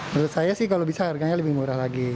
menurut saya sih kalau bisa harganya lebih murah lagi